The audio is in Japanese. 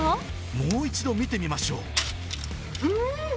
もう一度見てみましょう。